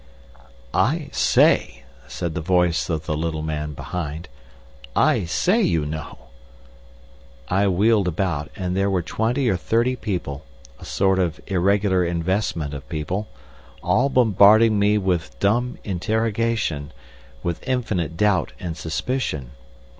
"I say," said the voice of the little man behind. "I say, you know." I wheeled about, and there were twenty or thirty people, a sort of irregular investment of people, all bombarding me with dumb interrogation, with infinite doubt and suspicion.